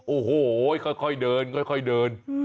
โอโหค่อยเดิน